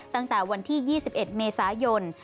ตั้งแต่วันที่๒๑เมษายน